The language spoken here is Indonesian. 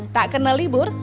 tak kena libur